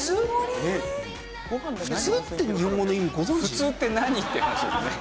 普通って何？って話ですよね。